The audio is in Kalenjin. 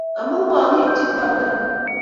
Amu magi-ipchi Kwanda